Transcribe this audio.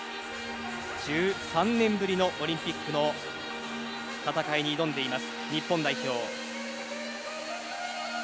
１３年ぶりのオリンピックの戦いに挑んでいます日本代表。